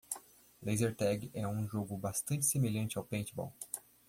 Laser tag é um jogo bastante semelhante ao paintball.